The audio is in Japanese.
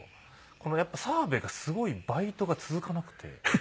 このやっぱり澤部がすごいバイトが続かなくて。